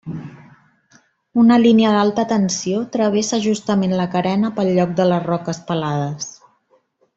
Una línia d'alta tensió travessa justament la carena pel lloc de les roques pelades.